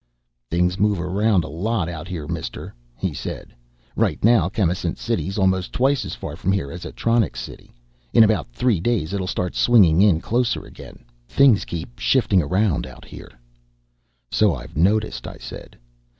"Things move around a lot out here, Mister," he said. "Right now, Chemisant City's almost twice as far from here as Atronics City. In about three days, it'll start swinging in closer again. Things keep shifting around out here." "So I've noticed," I said.